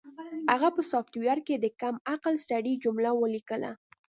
هغه په سافټویر کې د کم عقل سړي جمله ولیکله